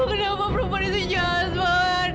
kenapa perempuan itu jahat banget